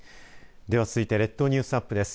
では続いて列島ニュースアップです。